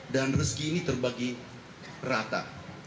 dan rezeki ini terbagi rata